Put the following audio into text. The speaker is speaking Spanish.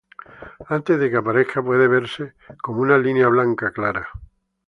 Antes de que aparezca puede verse como una línea blanca clara.